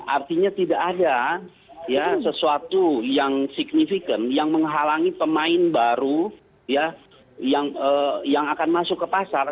artinya tidak ada sesuatu yang signifikan yang menghalangi pemain baru yang akan masuk ke pasar